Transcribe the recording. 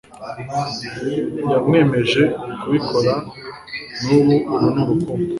yamwemeje kubikora nub uru ni urukundo